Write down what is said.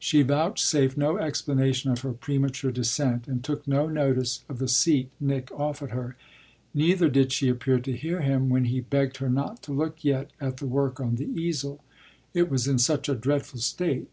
She vouchsafed no explanation of her premature descent and took no notice of the seat Nick offered her; neither did she appear to hear him when he begged her not to look yet at the work on the easel it was in such a dreadful state.